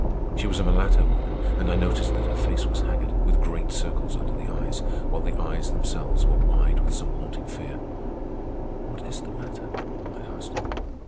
She was a mulatto woman, and I noticed that her face was haggard, with great circles under the eyes, while the eyes themselves were wide with some haunting fear. "What is the matter?" I asked.